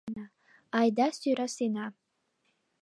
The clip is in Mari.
— Айда сӧрасена.